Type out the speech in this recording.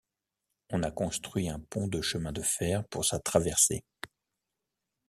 On a construit un pont de chemin de fer pour sa traversée.